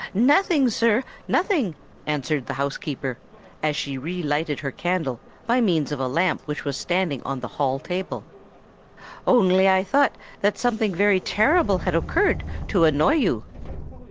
"Nothing, sir—nothing," answered the housekeeper, as she re lighted her candle by means of a lamp which was standing on the hall table; "only I thought that something very terrible had occurred to annoy you."